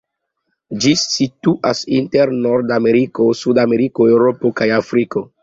Ĝi situas inter Nordameriko, Sudameriko, Eŭropo kaj Afriko.